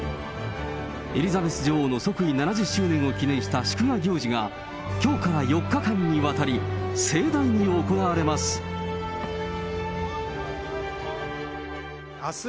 エリザベス女王の即位７０周年を記念した祝賀行事がきょうから４日間にわたり、盛大に行われます。